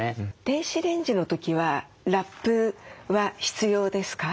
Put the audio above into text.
電子レンジの時はラップは必要ですか？